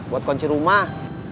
buat kunci rumah